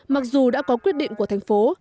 mặc dù đã có quyết định của thành phố